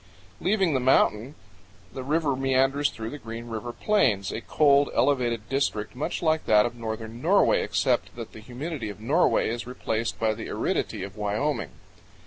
Leaving the mountain, the river meanders through the Green River Plains, a cold elevated district much like that of northern Norway, except that the humidity of Norway is replaced by the aridity of Wyoming.